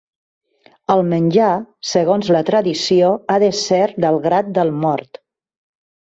El menjar, segons la tradició, ha de ser del grat del mort.